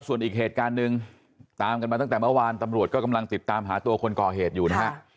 ส่วนอีกเหตุการณ์หนึ่งตามกันมาตั้งแต่เมื่อวานตำรวจก็กำลังติดตามหาตัวคนก่อเหตุอยู่นะฮะ